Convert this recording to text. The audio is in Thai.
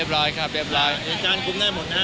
สถานการณ์ข้อมูล